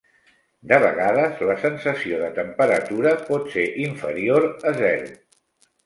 De vegades la sensació de temperatura pot ser inferior a zero.